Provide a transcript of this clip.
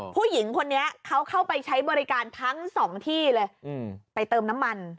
ผู้หญิงคนนี้เขาเข้าไปใช้บริการทั้งสองที่เลยไปเติมน้ำมัน